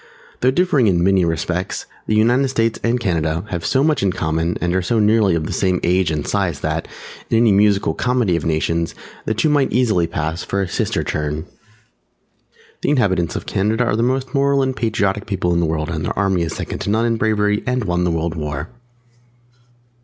Though differing in many respects, the United States and Canada have so much in common and are so nearly of the same age and size that, in any musical comedy of Nations, the two might easily pass for a "sister turn." The inhabitants of Canada are the most Moral and Patriotic people in the World, and their army is second to none in bravery and won the World War.